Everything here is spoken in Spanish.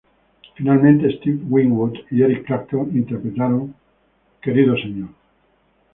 Finalmente Steve Winwood y Eric Clapton interpretaron “Dear Mr.